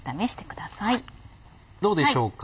どうでしょうか。